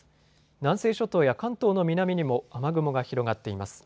南西諸島や関東の南にも雨雲が広がっています。